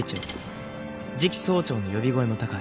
次期総長の呼び声も高い。